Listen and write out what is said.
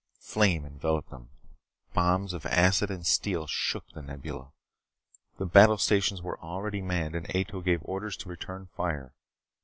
Flame enveloped them. Bombs of acid and steel shook The Nebula. The battle stations were already manned, and Ato gave orders to return fire.